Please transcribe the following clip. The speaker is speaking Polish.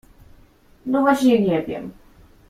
No właśnie nie wiem.